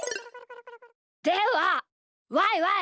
ではワイワイ！